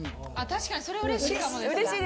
確かにそれうれしいかも。